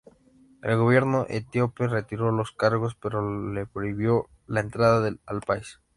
El gobierno etíope retiró los cargos, pero le prohibió la entrada al país.